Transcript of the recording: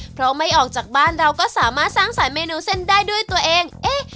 เพราะไม่ออกจากบ้านเราก็สามารถสร้างสายเมนูเส้นได้ด้วยตัวเองเอ๊ะ